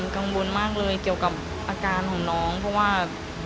กังวลมากเลยเกี่ยวกับอาการของน้องเพราะว่า